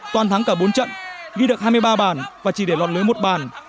toàn thắng cả bốn trận ghi được hai mươi ba bản và chỉ để lọt lưới một bản